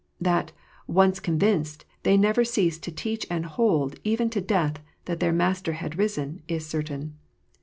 That, once convinced, they never ceased to teach and hold, even to death, that their Master had risen, is certain.